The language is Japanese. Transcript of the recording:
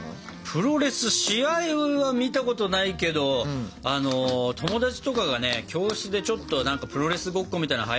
プロレス試合は見たことないけど友達とかがね教室でちょっとプロレスごっこみたいなのはやってたり。